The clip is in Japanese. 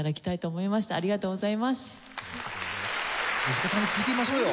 息子さんに聞いてみましょうよ。